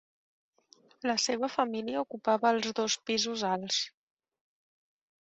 La seva família ocupava els dos pisos alts.